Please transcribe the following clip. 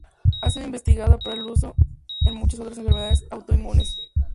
Ha sido investigada para el uso en muchos otras enfermedades autoinmunes.